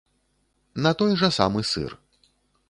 На той жа самы сыр.